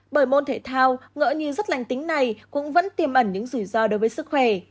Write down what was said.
bởi môn thể thao ngỡ như rất lành tính này cũng vẫn tiềm ẩn những rủi ro đối với sức khỏe